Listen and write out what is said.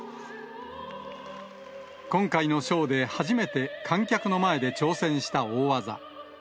今回のショーで初めて観客の前で挑戦した大技。